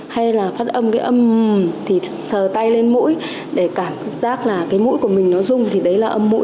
hay là phát âm cái âm thì sờ tay lên mũi để cảm giác là cái mũi của mình nó dung thì đấy là âm mũi